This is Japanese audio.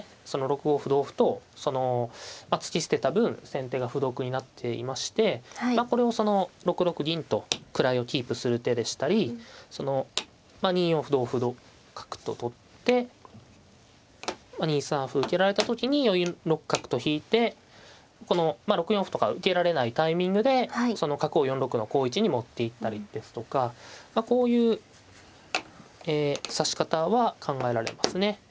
その６五歩同歩と突き捨てた分先手が歩得になっていましてまあこれもその６六銀と位をキープする手でしたりそのまあ２四歩同歩同角と取ってまあ２三歩受けられた時に４六角と引いてこのまあ６四歩とか受けられないタイミングでその角を４六の好位置に持っていったりですとかまあこういう指し方は考えられますね。